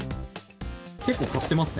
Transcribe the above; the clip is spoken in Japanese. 結構買ってますね。